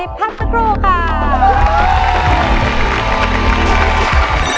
รอที่จะมาอัปเดตผลงานแล้วก็เข้าไปโด่งดังไกลถึงประเทศจีน